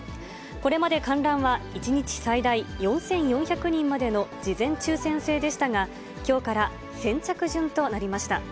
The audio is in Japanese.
これまで観覧は１日最大４４００人までの事前抽せん制でしたが、きょうから先着順となりました。